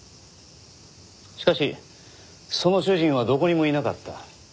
しかしその主人はどこにもいなかった。